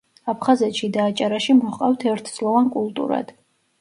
აფხაზეთში და აჭარაში მოჰყავთ ერთწლოვან კულტურად.